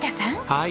はい。